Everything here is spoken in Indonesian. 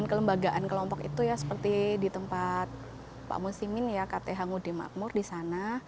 dan kelembagaan kelompok itu ya seperti di tempat pak musimin ya kth ngudi makmur di sana